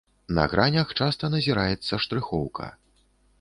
На гранях часта назіраецца штрыхоўка.